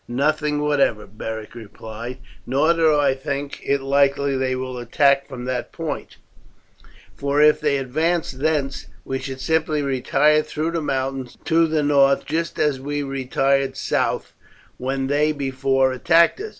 "Nothing whatever," Beric replied; "nor do I think it likely that they will attack from that point, for if they advanced thence, we should simply retire through the mountains to the north just as we retired south when they before attacked us.